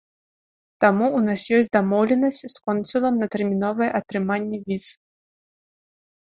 Там у нас ёсць дамоўленасць з консулам на тэрміновае атрыманне віз.